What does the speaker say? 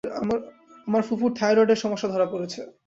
আমার ফুফুর থায়রয়েডের সমস্যা ধরা পরেছে।